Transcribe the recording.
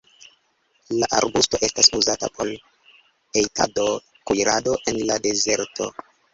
La arbusto estas uzata por hejtado, kuirado en la dezerto.